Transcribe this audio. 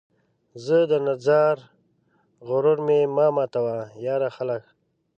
زه درنه ځار ، غرور مې مه ماتوه ، یاره ! خلک